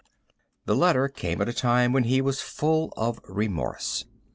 The letter came at a time when he was full of remorse.